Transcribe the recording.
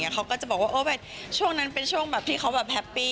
เขาก็จะบอกว่าช่วงนั้นเป็นช่วงแบบที่เขาแบบแฮปปี้